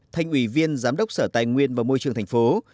thành ủy viên giám đốc sở tài nguyên và môi trường thành phố